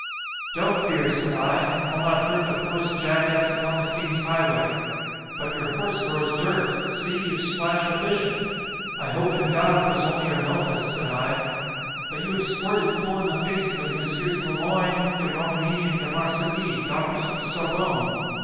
—Don't fear, said I—I'll not hurt the poorest jack ass upon the king's highway.—But your horse throws dirt; see you've splash'd a bishop——I hope in God, 'twas only Ernulphus, said I.——But you have squirted full in the faces of Mess. Le Moyne, De Romigny, and De Marcilly, doctors of the _Sorbonne.